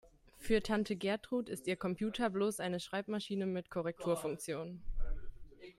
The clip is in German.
Für Tante Gertrud ist ihr Computer bloß eine Schreibmaschine mit Korrekturfunktion.